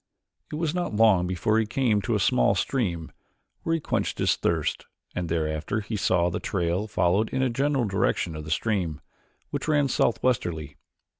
It was not long before he came to a small stream, where he quenched his thirst, and thereafter he saw that the trail followed in the general direction of the stream, which ran southwesterly.